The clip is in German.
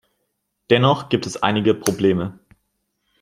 Dennoch gibt es einige Probleme.